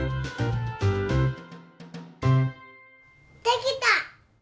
できた！